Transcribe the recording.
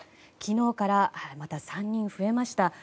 昨日からまた３人増えました。